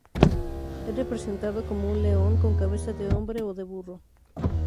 Es representado como un león con cabeza de hombre o de burro.